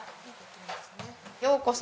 ようこそ。